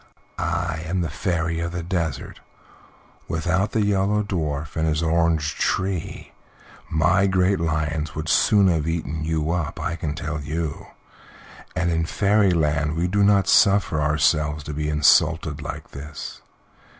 I am the Fairy of the Desert; without the Yellow Dwarf and his orange tree my great lions would soon have eaten you up, I can tell you, and in Fairyland we do not suffer ourselves to be insulted like this.